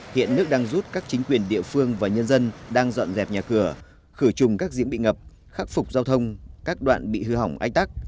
hiện nước đang rút các chính quyền địa phương và nhân dân đang dọn dẹp nhà cửa khử trùng các giếng bị ngập khắc phục giao thông các đoạn bị hư hỏng ách tắc